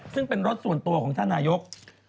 ซึ่งเป็นรถส่วนตัวของท่านนายก